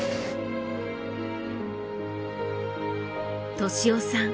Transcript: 敏雄さん